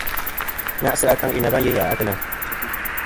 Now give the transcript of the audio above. Ŋa'sɨ akaŋ yeyn na va yeyn gha a teyna.